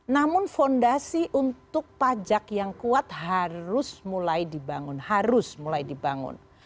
namun fondasi untuk pajak yang kuat harus mulai dibangun harus mulai dibangun